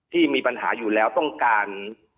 ที่มีปัญหาอยู่แล้วต้องการ